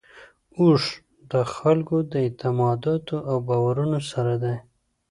اوښ د خلکو له اعتقاداتو او باورونو سره دی.